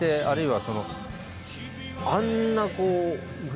あるいはあんなこう。